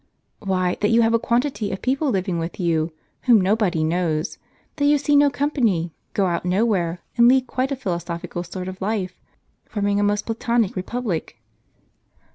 "Why, that you have a quantity of people living with you whom nobody knows ; that you see no company, go out nowhere, and lead quite a philosophical sort of life, forming a most Platonic republic."